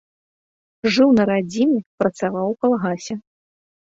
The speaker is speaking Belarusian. Жыў на радзіме, працаваў у калгасе.